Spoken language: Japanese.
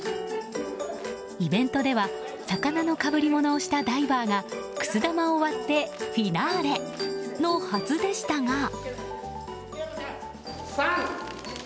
イベントでは魚のかぶり物をしたダイバーがくす玉を割ってフィナーレのはずでしたが。